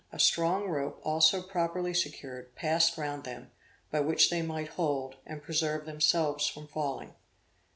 A strong rope also properly secured, passed round them, by which they might hold, and preserve themselves from falling.